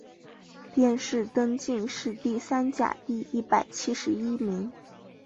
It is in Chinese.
殿试登进士第三甲第一百七十一名。